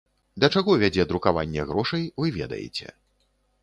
Да чаго вядзе друкаванне грошай, вы ведаеце.